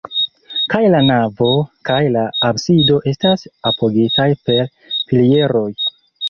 Kaj la navo kaj la absido estas apogitaj per pilieroj.